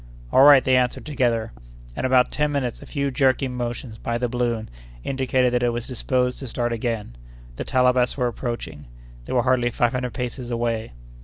"All right!" they answered together. In about ten minutes a few jerking motions by the balloon indicated that it was disposed to start again. The Talabas were approaching. They were hardly five hundred paces away.